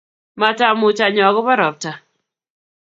matamuuch anyoo agoba ropta